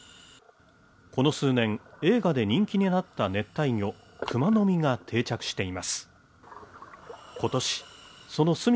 この数年映画で人気になった熱帯魚クマノミが定着しています